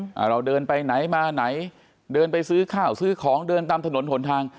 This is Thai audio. เราเดินไปไหนมาไหนเดินไปซื้อข้าวซื้อของเดินตามถนนหนทาง